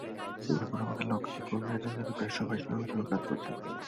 সিঙ্গাপুরে আমাদের লক্ষাধিক কর্মী আছেন, যাঁদের প্রায় সবাই সুনামের সঙ্গে কাজ করছেন।